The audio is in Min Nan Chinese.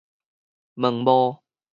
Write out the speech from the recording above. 毛帽